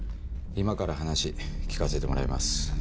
今から話聞かせてもらいます。